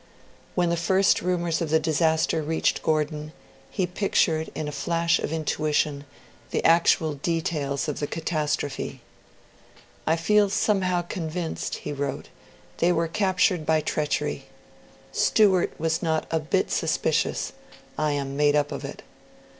When the first rumours of the disaster reached Gordon, he pictured, in a flash of intuition, the actual details of the catastrophe. 'I feel somehow convinced,' he wrote, they were captured by treachery ... Stewart was not a bit suspicious (I am made up of it).